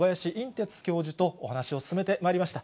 てつ教授とお話を進めてまいりました。